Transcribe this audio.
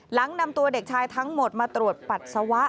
หลังนำตัวเด็กชายทั้งหมดมาตรวจปัสสาวะ